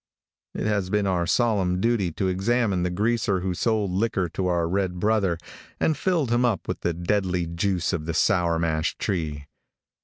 It has been our solemn duty to examine the greaser who sold liquor to our red brother, and filled him up with the deadly juice of the sour mash tree.